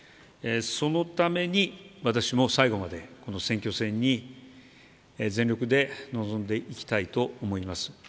そのために私も最後までこの選挙戦に全力で臨んでいきたいと思います。